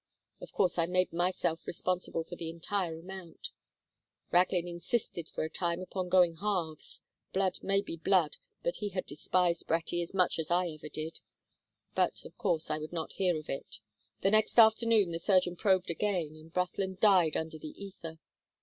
Of course I made myself responsible for the entire amount. Raglin insisted for a time upon going halves blood may be blood, but he had despised Bratty as much as I ever did but of course I would not hear of it. "The next afternoon the surgeon probed again, and Brathland died under the ether.